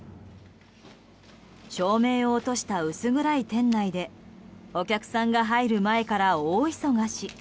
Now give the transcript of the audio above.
照明を落とした薄暗い店内でお客さんが入る前から大忙し。